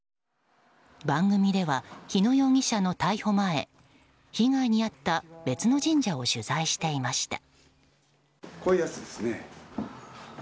番組では日野容疑者の逮捕前被害に遭った別の神社を取材していました。